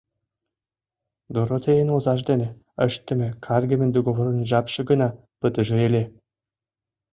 — “Доротеян” озаж дене ыштыме каргыме договорын жапше гына пытыже ыле!